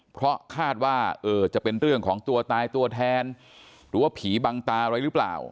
เพราะคาดว่าจะเป็นเรื่องของตัวตายตัวแทนหรือว่าผีบังตาอะไรหรือเปล่า